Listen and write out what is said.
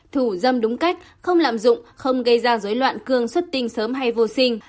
thủ dâm đúng cách không lạm dụng không gây ra dối loạn cương xuất tinh sớm hay vô sinh